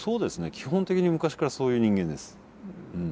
基本的に昔からそういう人間です。